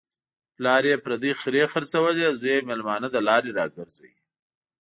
پلار یې پردۍ خرې خرڅولې، زوی یې مېلمانه له لارې را گرځوي.